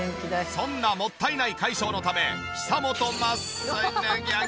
そんなもったいない解消のため久本雅